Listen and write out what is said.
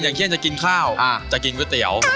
อย่างเช่นจะกินข้าวจะกินก๋วยเตี๋ยว